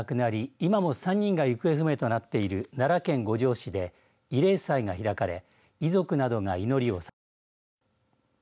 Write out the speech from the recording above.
今も３人が行方不明となっている奈良県五條市で慰霊祭が開かれ遺族などが祈りをささげました。